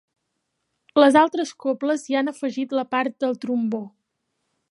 Les altres cobles hi han afegit la part del trombó.